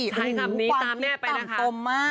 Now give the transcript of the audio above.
คุณความคิดต่ำตมมากจริงค่ะอีกหนึ่งคุณอ๊อฟปองศักดิ์ตามแม่ไปนะคะ